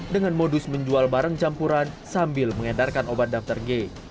dengan modus menjual barang campuran sambil mengedarkan obat daftar g